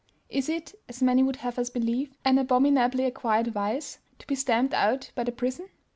Is it, as many would have us believe, an abominably acquired vice, to be stamped out by the prison?